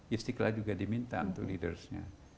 istiqlal juga diminta untuk leadersnya